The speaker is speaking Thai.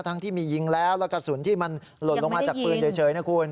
ที่มียิงแล้วแล้วกระสุนที่มันหล่นลงมาจากปืนเฉยนะคุณ